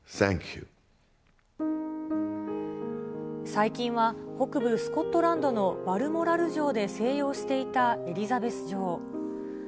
最近は北部、スコットランドのバルモラル城で静養していたエリザベス女王。